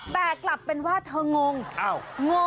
แต่กลับเอ่ยว่าเธองงแปเป็นว่าขอบครอบอะไร